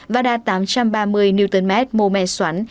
và đa tám trăm ba mươi nm mô me xoắn